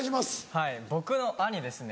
はい僕の兄ですね